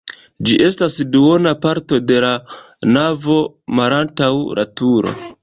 Ĝi estas duona parto de la navo malantaŭ la turo.